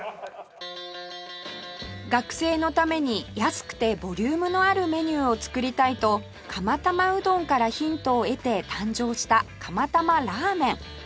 学生のために安くてボリュームのあるメニューを作りたいとかまたまうどんからヒントを得て誕生したかまたまらーめん